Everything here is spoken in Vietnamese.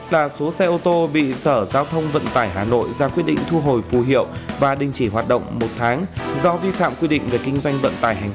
sáu trăm năm mươi sáu là số xe ô tô bị sở giao thông vận tải hà nội ra quyết định thu hồi phù hiệu và đình chỉ hoạt động một tháng do vi phạm quy định về kinh doanh vận tải hành tinh